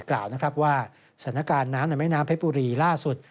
กล่าวนะครับว่าสถานการณ์น้ำในแม่น้ำเพชรบุรีล่าสุด